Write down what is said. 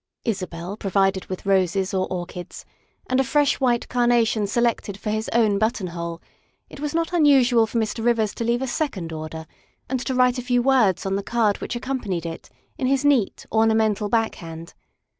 Isabel provided with roses or orchids, and a fresh white carnation selected for his own buttonhole, it was not unusual for Mr. Rivers to leave a second order and to write a few words on the card which accompanied it in his neat, ornamental backhand.